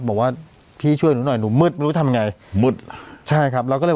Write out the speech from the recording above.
บอกว่าพี่ช่วยหนูหน่อยหนูมืดไม่รู้ทำไงมืดใช่ครับเราก็เลย